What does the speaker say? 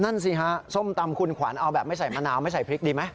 นั่นสิฮะส้มตำคุณขวัญเอาแบบไม่ใส่มะนาวไม่ใส่พริกดีไหม